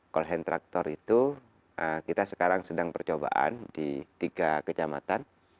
call hand tractor itu kita sekarang sedang percobaan di tiga kecamatan